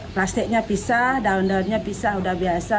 plastiknya pisah daun daunnya pisah sudah biasa